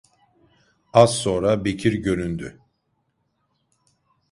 Az sonra Bekir göründü.